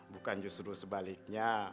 bukan justru sebaliknya